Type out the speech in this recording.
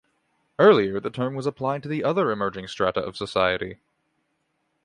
Earlier the term was applied to other emerging strata of the society.